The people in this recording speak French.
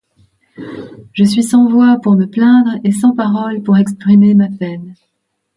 Je suis sans voix pour me plaindre et sans paroles pour exprimer ma peine.